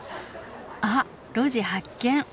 あっ路地発見。